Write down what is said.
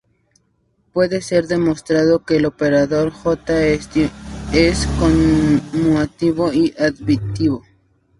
Puede ser demostrado que el operador "J" es conmutativo y aditivo.